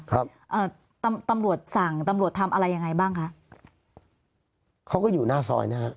เอ่อตำรวจสั่งตำรวจทำอะไรยังไงบ้างคะเขาก็อยู่หน้าซอยนะฮะ